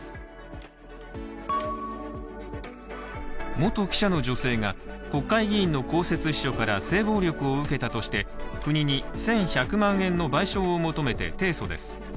元記者の女性が国会議員の公設秘書から性暴力を受けたとして国に１１００万円の賠償を求めて提訴です。